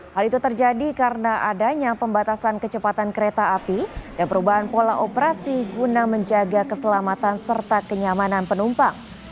hal itu terjadi karena adanya pembatasan kecepatan kereta api dan perubahan pola operasi guna menjaga keselamatan serta kenyamanan penumpang